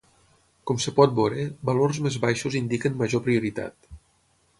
Com es pot veure, valors més baixos indiquen major prioritat.